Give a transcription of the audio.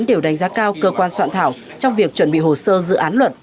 đều đánh giá cao cơ quan soạn thảo trong việc chuẩn bị hồ sơ dự án luật